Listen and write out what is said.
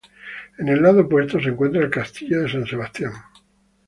En el lado opuesto se encontraba el castillo de San Sebastián.